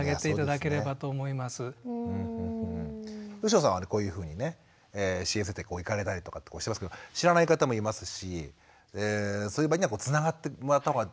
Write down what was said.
吉野さんはこういうふうにね支援センターに行かれたりとかっておっしゃいますけど知らない方もいますしそういう場合にはつながってもらった方が。